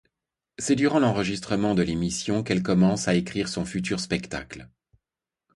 C'est durant l'enregistrement de l'émission qu'elle commence à écrire son futur spectacle.